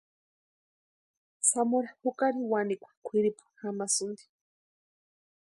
Zamora jukari wanikwa kwʼiripu jamasïnti.